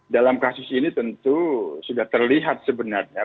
dalam kasus ini tentu sudah terlihat sebenarnya